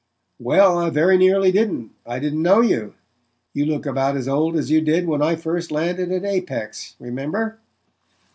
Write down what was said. "Well, I very nearly didn't. I didn't know you. You look about as old as you did when I first landed at Apex remember?"